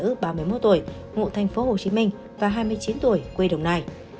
kỳ duyên là một người phụ nữ ba mươi một tuổi ngụ thành phố hồ chí minh và hai mươi chín tuổi quê đồng này